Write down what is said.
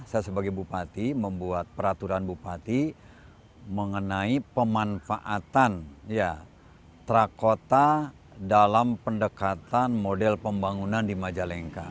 saya sebagai bupati membuat peraturan bupati mengenai pemanfaatan terakota dalam pendekatan model pembangunan di majalengka